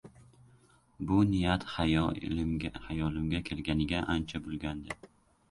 Bu niyat xayo- limga kelganiga ancha bo‘lgandi.